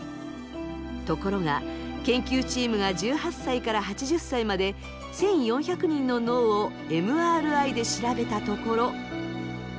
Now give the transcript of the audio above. ところが研究チームが１８歳から８０歳まで１，４００人の脳をＭＲＩで調べたところ。